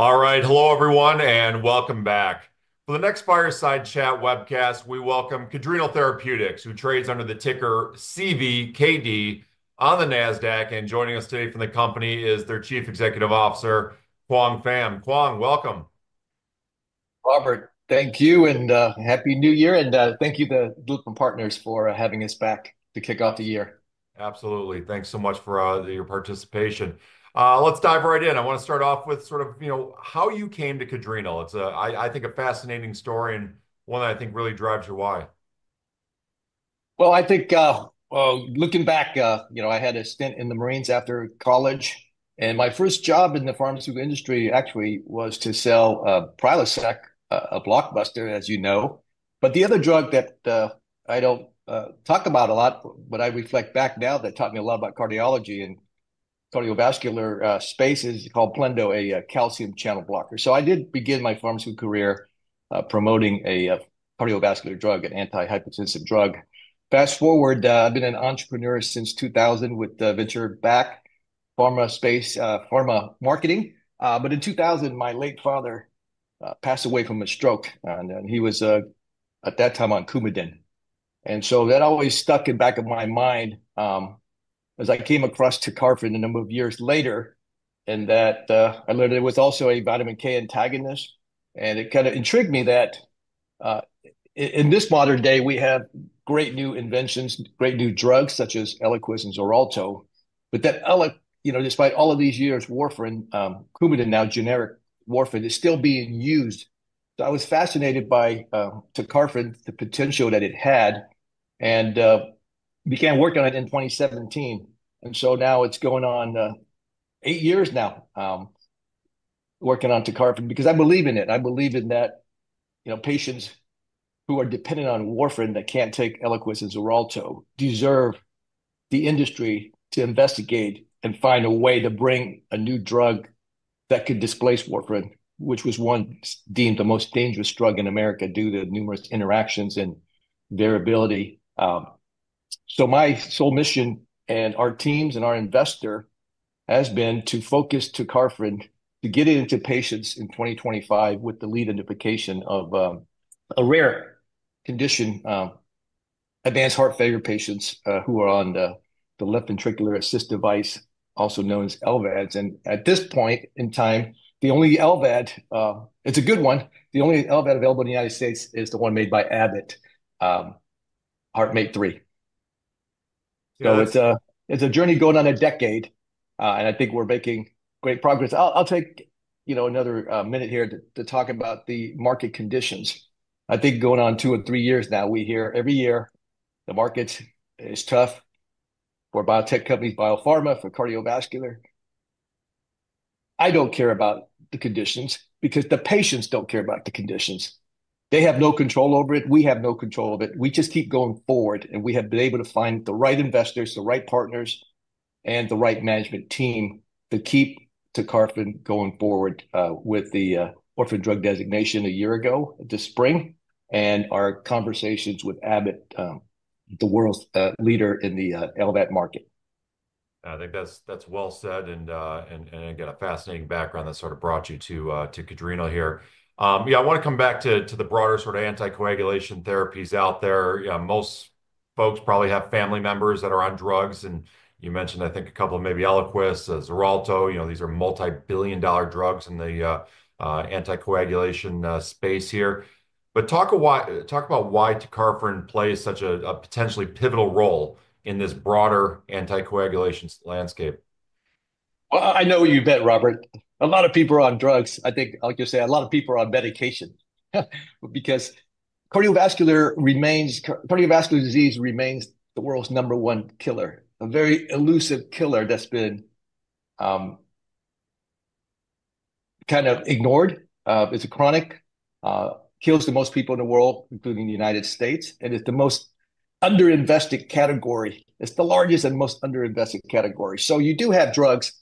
All right. Hello, everyone, and welcome back. For the next Fireside Chat webcast, we welcome Cadrenal Therapeutics, who trades under the ticker CVKD on the Nasdaq, and joining us today from the company is their Chief Executive Officer, Quang Pham. Quang, welcome. Robert, thank you. And Happy New Year. And thank you to Lytham Partners for having us back to kick off the year. Absolutely. Thanks so much for your participation. Let's dive right in. I want to start off with sort of, you know, how you came to Cadrenal. It's, I think, a fascinating story and one that I think really drives your why. I think, looking back, you know, I had a stint in the Marines after college. And my first job in the pharmaceutical industry actually was to sell Prilosec, a blockbuster, as you know. But the other drug that I don't talk about a lot, but I reflect back now that taught me a lot about cardiology and cardiovascular spaces is called Plendil, a calcium channel blocker. So I did begin my pharmaceutical career promoting a cardiovascular drug, an antihypertensive drug. Fast forward, I've been an entrepreneur since 2000 with venture-backed pharma space, pharma marketing. But in 2000, my late father passed away from a stroke. And he was at that time on Coumadin. And so that always stuck in the back of my mind as I came across tecarfarin a number of years later and that I learned it was also a vitamin K antagonist. And it kind of intrigued me that in this modern day, we have great new inventions, great new drugs such as Eliquis and Xarelto. But that, you know, despite all of these years, warfarin, Coumadin, now generic warfarin, is still being used. So I was fascinated by tecarfarin, the potential that it had, and began working on it in 2017. And so now it's going on eight years now working on tecarfarin because I believe in it. I believe in that, you know, patients who are dependent on warfarin that can't take Eliquis and Xarelto deserve the industry to investigate and find a way to bring a new drug that could displace warfarin, which was once deemed the most dangerous drug in America due to numerous interactions and variability. So my sole mission and our teams and our investor has been to focus on tecarfarin to get it into patients in 2025 with the lead identification of a rare condition, advanced heart failure patients who are on the left ventricular assist device, also known as LVADs. And at this point in time, the only LVAD, it's a good one. The only LVAD available in the United States is the one made by Abbott HeartMate 3. So it's a journey going on a decade. And I think we're making great progress. I'll take, you know, another minute here to talk about the market conditions. I think going on two or three years now, we hear every year the market is tough for biotech companies, biopharma, for cardiovascular. I don't care about the conditions because the patients don't care about the conditions. They have no control over it. We have no control of it. We just keep going forward, and we have been able to find the right investors, the right partners, and the right management team to keep tecarfarin going forward with the orphan drug designation a year ago this spring and our conversations with Abbott, the world leader in the LVAD market. I think that's well said, and again, a fascinating background that sort of brought you to Cadrenal here. Yeah, I want to come back to the broader sort of anticoagulation therapies out there. Most folks probably have family members that are on drugs, and you mentioned, I think, a couple of maybe Eliquis, Xarelto. You know, these are multi-billion dollar drugs in the anticoagulation space here, but talk about why tecarfarin plays such a potentially pivotal role in this broader anticoagulation landscape. I know you bet, Robert. A lot of people are on drugs. I think, like you say, a lot of people are on medication because cardiovascular disease remains the world's number one killer, a very elusive killer that's been kind of ignored. It's a chronic, kills the most people in the world, including the United States. It's the most under-invested category. It's the largest and most under-invested category. You do have drugs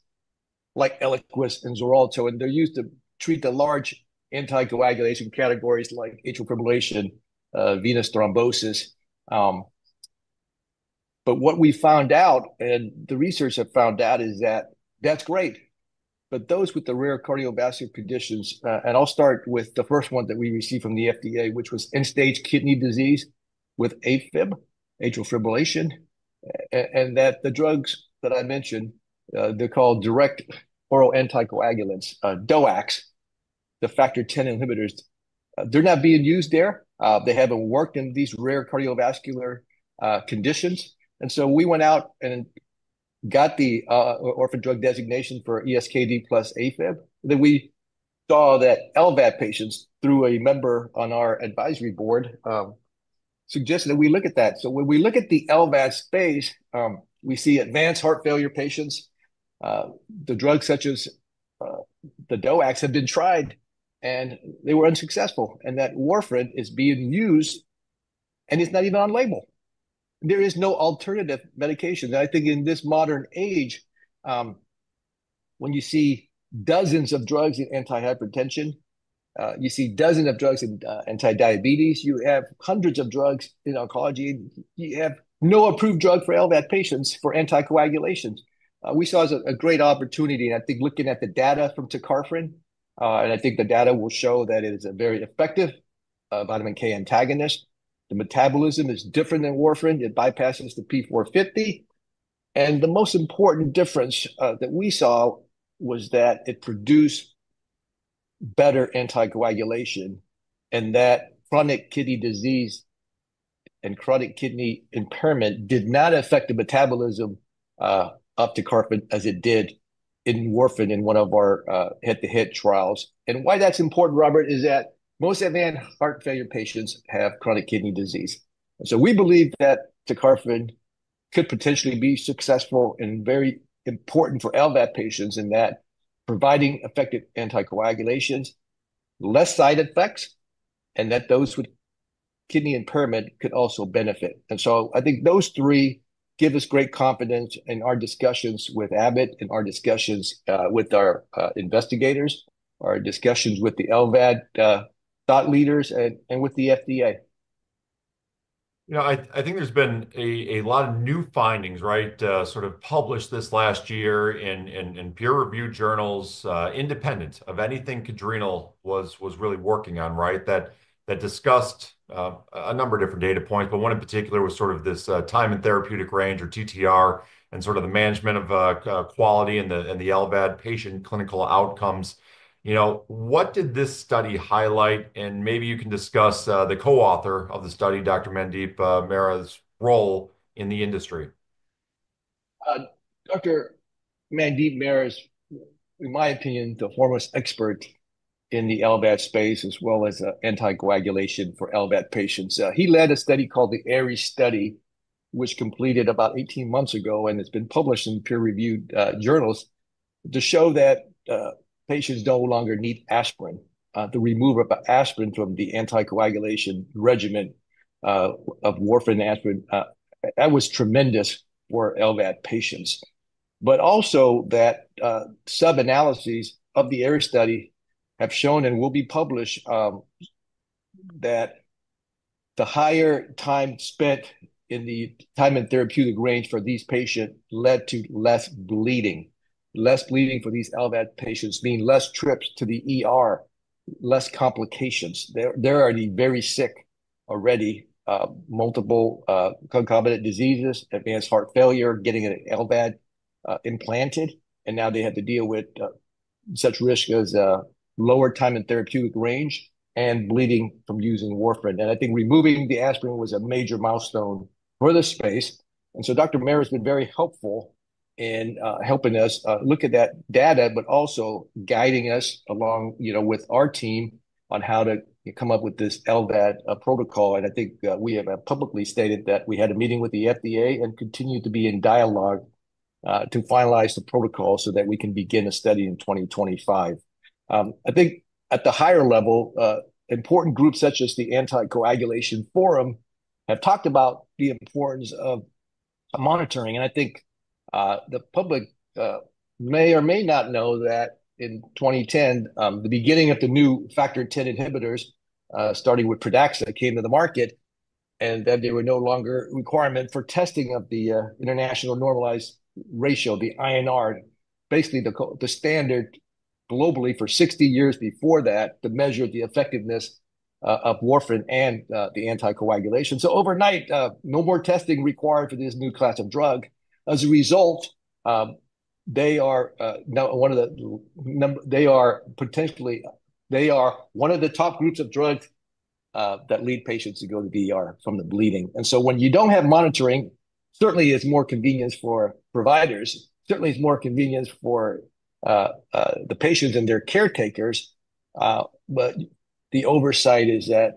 like Eliquis and Xarelto, and they're used to treat the large anticoagulation categories like atrial fibrillation, venous thrombosis. What we found out, and the research has found out, is that that's great. But those with the rare cardiovascular conditions. And I'll start with the first one that we received from the FDA, which was end-stage kidney disease with AFib, atrial fibrillation. And that the drugs that I mentioned, they're called direct oral anticoagulants, DOACs, the Factor Xa inhibitors. They're not being used there. They haven't worked in these rare cardiovascular conditions. And so we went out and got the orphan drug designation for ESKD plus AFib. Then we saw that LVAD patients through a member on our advisory board suggested that we look at that. So when we look at the LVAD space, we see advanced heart failure patients. The drugs such as the DOACs have been tried, and they were unsuccessful. And that warfarin is being used, and it's not even on label. There is no alternative medication. I think in this modern age, when you see dozens of drugs in antihypertension, you see dozens of drugs in anti-diabetes, you have hundreds of drugs in oncology, and you have no approved drug for LVAD patients for anticoagulation. We saw as a great opportunity. I think looking at the data from tecarfarin, and I think the data will show that it is a very effective vitamin K antagonist. The metabolism is different than warfarin. It bypasses the P450. The most important difference that we saw was that it produced better anticoagulation and that chronic kidney disease and chronic kidney impairment did not affect the metabolism of tecarfarin as it did in warfarin in one of our head-to-head trials. Why that's important, Robert, is that most advanced heart failure patients have chronic kidney disease. And so we believe that tecarfarin could potentially be successful and very important for LVAD patients in that providing effective anticoagulation, less side effects, and that those with kidney impairment could also benefit. And so I think those three give us great confidence in our discussions with Abbott and our discussions with our investigators, our discussions with the LVAD thought leaders, and with the FDA. You know, I think there's been a lot of new findings, right, sort of published this last year in peer-reviewed journals, independent of anything Cadrenal was really working on, right, that discussed a number of different data points. But one in particular was sort of this time in therapeutic range or TTR and sort of the management of quality and the LVAD patient clinical outcomes. You know, what did this study highlight? And maybe you can discuss the co-author of the study, Dr. Mandeep Mehra's role in the industry. Dr. Mandeep Mehra is, in my opinion, the foremost expert in the LVAD space as well as anticoagulation for LVAD patients. He led a study called the ARES study, which completed about 18 months ago, and it's been published in peer-reviewed journals to show that patients no longer need aspirin, the removal of aspirin from the anticoagulation regimen of warfarin and aspirin. That was tremendous for LVAD patients. But also that sub-analyses of the ARES study have shown and will be published that the higher time spent in the time in therapeutic range for these patients led to less bleeding, less bleeding for these LVAD patients, meaning less trips and less complications. They are very sick already, multiple concomitant diseases, advanced heart failure, getting an LVAD implanted. Now they have to deal with such risks as lower time in therapeutic range and bleeding from using warfarin. And I think removing the aspirin was a major milestone for the space. And so Dr. Mehra has been very helpful in helping us look at that data, but also guiding us along, you know, with our team on how to come up with this LVAD protocol. And I think we have publicly stated that we had a meeting with the FDA and continue to be in dialogue to finalize the protocol so that we can begin a study in 2025. I think at the higher level, important groups such as the Anticoagulation Forum have talked about the importance of monitoring. And I think the public may or may not know that in 2010, the beginning of the new Factor X Inhibitors, starting with Pradaxa, came to the market. And then there were no longer requirements for testing of the International Normalized Ratio, the INR, basically the standard globally for 60 years before that to measure the effectiveness of warfarin and the anticoagulation. So overnight, no more testing required for this new class of drug. As a result, they are now one of the top groups of drugs that lead patients to go to the ER from bleeding. And so when you don't have monitoring, certainly it's more convenient for providers. Certainly it's more convenient for the patients and their caretakers. But the oversight is that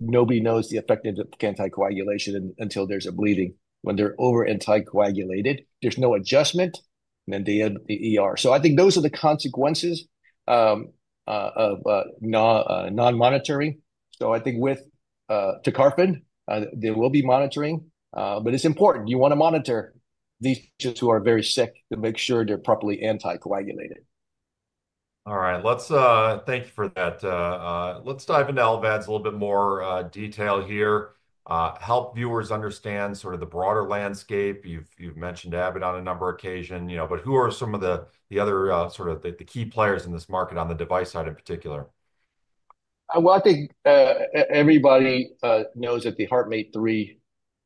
nobody knows the effectiveness of anticoagulation until there's a bleeding. When they're over-anticoagulated, there's no adjustment, and then they end up in the ER. So I think those are the consequences of non-monitoring. So I think with tecarfarin, there will be monitoring. But it's important. You want to monitor these patients who are very sick to make sure they're properly anticoagulated. All right. Let's thank you for that. Let's dive into LVADs a little bit more detail here, help viewers understand sort of the broader landscape. You've mentioned Abbott on a number of occasions, you know, but who are some of the other sort of the key players in this market on the device side in particular? I think everybody knows that the HeartMate 3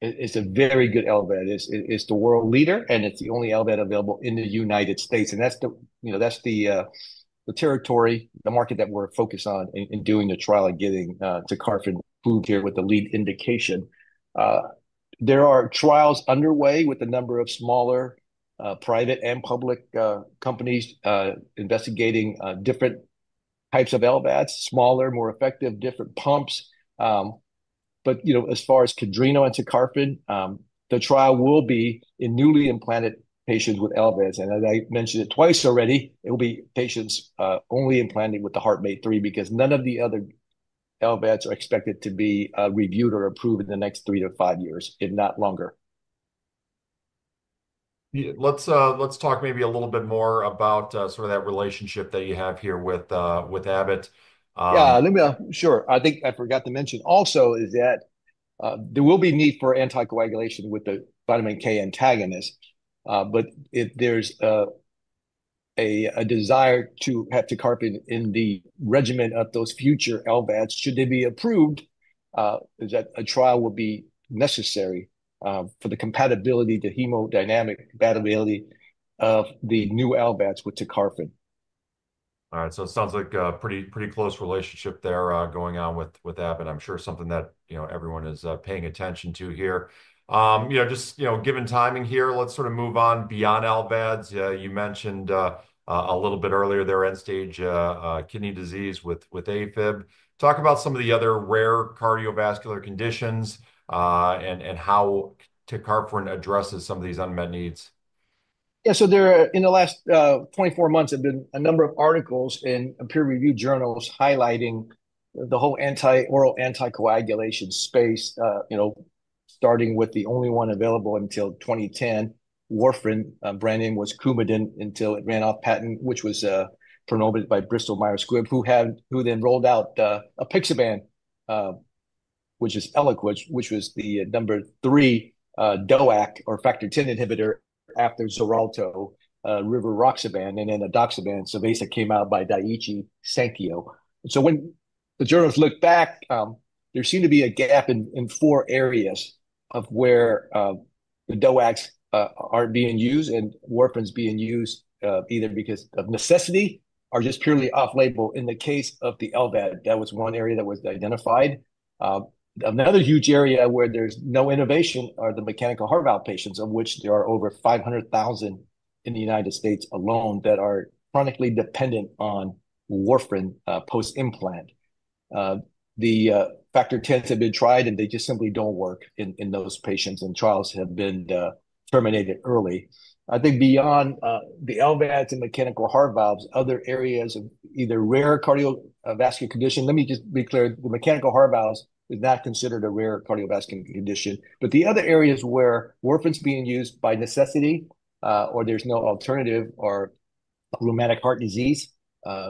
is a very good LVAD. It's the world leader, and it's the only LVAD available in the United States. And that's the, you know, that's the territory, the market that we're focused on in doing the trial and getting tecarfarin approved here with the lead indication. There are trials underway with a number of smaller private and public companies investigating different types of LVADs, smaller, more effective, different pumps. But, you know, as far as Cadrenal and tecarfarin, the trial will be in newly implanted patients with LVADs. And as I mentioned it twice already, it will be patients only implanted with the HeartMate 3 because none of the other LVADs are expected to be reviewed or approved in the next three to five years, if not longer. Let's talk maybe a little bit more about sort of that relationship that you have here with Abbott. Yeah, let me, sure. I think I forgot to mention also is that there will be need for anticoagulation with the vitamin K antagonist. But if there's a desire to have tecarfarin in the regimen of those future LVADs, should they be approved, is that a trial will be necessary for the compatibility, the hemodynamic compatibility of the new LVADs with tecarfarin. All right, so it sounds like a pretty close relationship there going on with Abbott. I'm sure something that, you know, everyone is paying attention to here. You know, just, you know, given timing here, let's sort of move on beyond LVADs. You mentioned a little bit earlier there end-stage kidney disease with AFib. Talk about some of the other rare cardiovascular conditions and how Tecarfarin addresses some of these unmet needs. Yeah, so there in the last 24 months, there have been a number of articles in peer-reviewed journals highlighting the whole oral anticoagulation space, you know, starting with the only one available until 2010, warfarin. Brand name was Coumadin until it ran off patent, which was promoted by Bristol Myers Squibb, who then rolled out apixaban, which is Eliquis, which was the number three DOAC or Factor Xa inhibitor after Xarelto, rivaroxaban, and then edoxaban. So basically came out by Daiichi Sankyo. So when the journals looked back, there seemed to be a gap in four areas of where the DOACs are being used and warfarin's being used either because of necessity or just purely off-label. In the case of the LVAD, that was one area that was identified. Another huge area where there's no innovation are the mechanical heart valve patients, of which there are over 500,000 in the United States alone that are chronically dependent on warfarin post-implant. The Factor Xa have been tried, and they just simply don't work in those patients, and trials have been terminated early. I think beyond the LVADs and mechanical heart valves, other areas of either rare cardiovascular condition. Let me just be clear, the mechanical heart valves is not considered a rare cardiovascular condition. The other areas where warfarin's being used by necessity or there's no alternative are rheumatic heart disease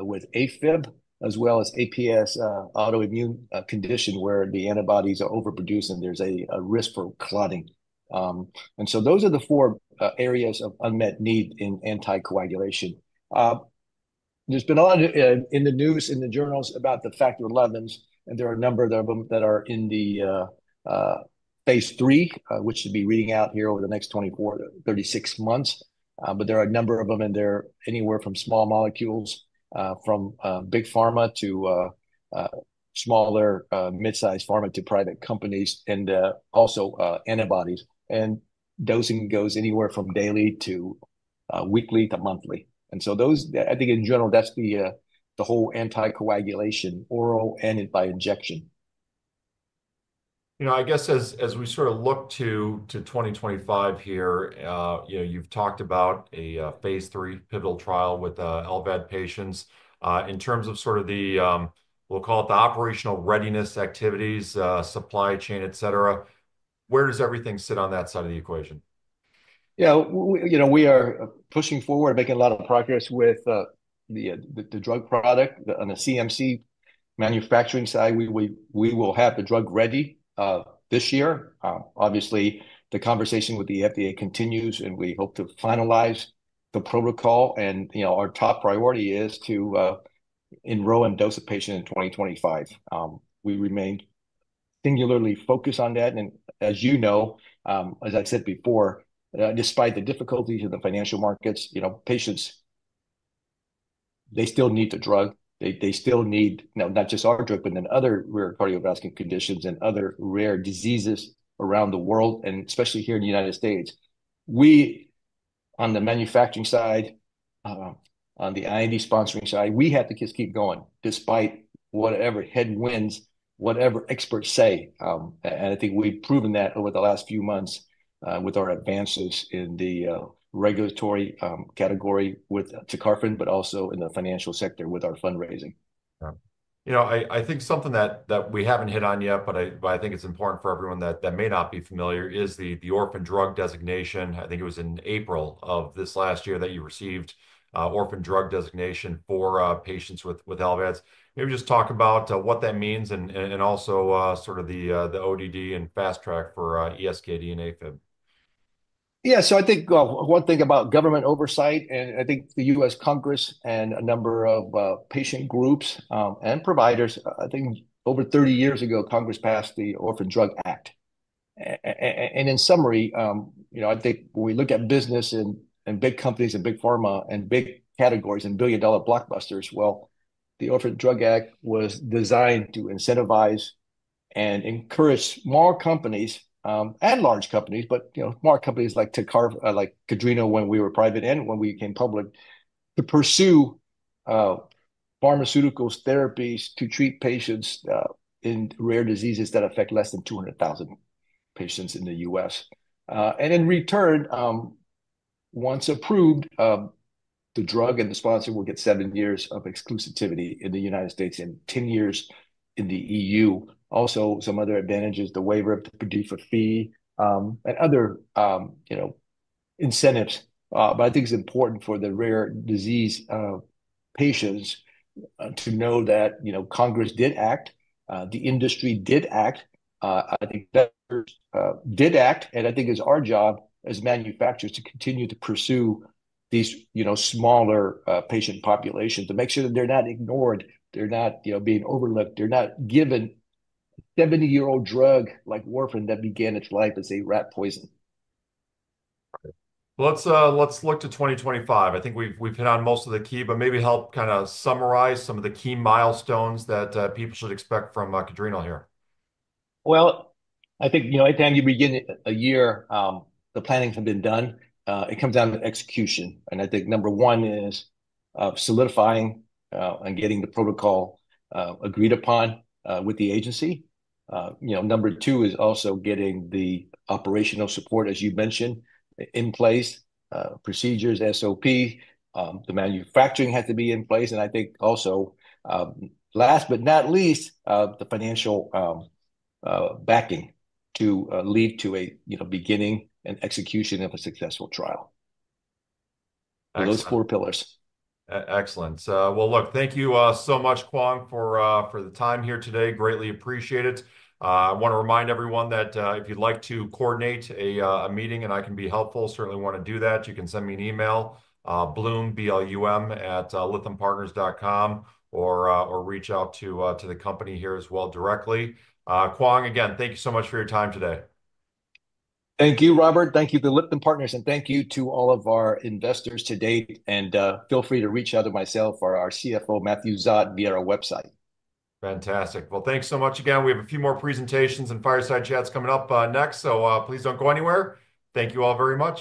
with AFib, as well as APS, autoimmune condition where the antibodies are overproduced and there's a risk for clotting. Those are the four areas of unmet need in anticoagulation. There's been a lot in the news, in the journals about the Factor XIs, and there are a number of them that are in the phase III, which should be reading out here over the next 24 to 36 months. But there are a number of them in there anywhere from small molecules, from big pharma to smaller mid-sized pharma to private companies, and also antibodies. And dosing goes anywhere from daily to weekly to monthly. And so those, I think in general, that's the whole anticoagulation, oral and by injection. You know, I guess as we sort of look to 2025 here, you know, you've talked about a phase III pivotal trial with LVAD patients. In terms of sort of the, we'll call it the operational readiness activities, supply chain, et cetera, where does everything sit on that side of the equation? Yeah, you know, we are pushing forward, making a lot of progress with the drug product on the CMC manufacturing side. We will have the drug ready this year. Obviously, the conversation with the FDA continues, and we hope to finalize the protocol. And, you know, our top priority is to enroll and dose a patient in 2025. We remain singularly focused on that. And as you know, as I said before, despite the difficulties of the financial markets, you know, patients, they still need the drug. They still need, you know, not just our drug, but in other rare cardiovascular conditions and other rare diseases around the world, and especially here in the United States. We, on the manufacturing side, on the IND sponsoring side, we have to just keep going despite whatever headwinds, whatever experts say. I think we've proven that over the last few months with our advances in the regulatory category with tecarfarin, but also in the financial sector with our fundraising. You know, I think something that we haven't hit on yet, but I think it's important for everyone that may not be familiar is the orphan drug designation. I think it was in April of this last year that you received orphan drug designation for patients with LVADs. Maybe just talk about what that means and also sort of the ODD and fast track for ESKD and AFib. Yeah, so I think one thing about government oversight, and I think the U.S. Congress and a number of patient groups and providers, I think over 30 years ago, Congress passed the Orphan Drug Act, and in summary, you know, I think when we look at business and big companies and big pharma and big categories and billion-dollar blockbusters, well, the Orphan Drug Act was designed to incentivize and encourage small companies and large companies, but, you know, smart companies like tecarfarin, like Cadrenal when we were private and when we became public to pursue pharmaceutical therapies to treat patients in rare diseases that affect less than 200,000 patients in the U.S., and in return, once approved, the drug and the sponsor will get seven years of exclusivity in the United States and 10 years in the EU. Also, some other advantages, the waiver of the PDUFA fee and other, you know, incentives. But I think it's important for the rare disease patients to know that, you know, Congress did act, the industry did act, I think did act. And I think it's our job as manufacturers to continue to pursue these, you know, smaller patient populations to make sure that they're not ignored, they're not, you know, being overlooked, they're not given a 70-year-old drug like warfarin that began its life as a rat poison. Let's look to 2025. I think we've hit on most of the key, but maybe help kind of summarize some of the key milestones that people should expect from Cadrenal here. Well, I think, you know, anytime you begin a year, the planning has been done. It comes down to execution. And I think number one is solidifying and getting the protocol agreed upon with the agency. You know, number two is also getting the operational support, as you mentioned, in place, procedures, SOP, the manufacturing has to be in place. And I think also last but not least, the financial backing to lead to a, you know, beginning and execution of a successful trial. Those four pillars. Excellent. Well, look, thank you so much, Quang, for the time here today. Greatly appreciate it. I want to remind everyone that if you'd like to coordinate a meeting and I can be helpful, certainly want to do that. You can send me an email, Blum, B-L-U-M, at lythampartners.com or reach out to the company here as well directly. Quang, again, thank you so much for your time today. Thank you, Robert. Thank you to Lytham Partners, and thank you to all of our investors to date, and feel free to reach out to myself or our CFO, Matthew Szot, via our website. Fantastic. Well, thanks so much again. We have a few more presentations and fireside chats coming up next, so please don't go anywhere. Thank you all very much.